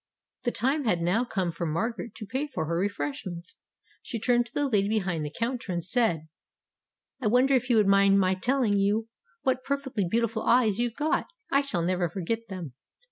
The time had now come for Margaret to pay for her refreshments; she turned to the lady be hind the counter and said : "I wonder if you would mind my telling you what perfectly beautiful eyes you've got; I shall never for get them."